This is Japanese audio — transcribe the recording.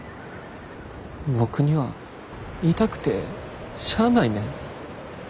僕には痛くてしゃあないねん。